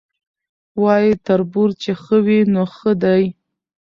وایي تربور چي ښه وي نو ښه دی